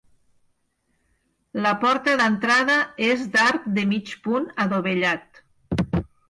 La porta d'entrada és d'arc de mig punt adovellat.